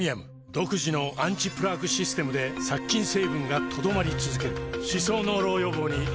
独自のアンチプラークシステムで殺菌成分が留まり続ける歯槽膿漏予防にプレミアム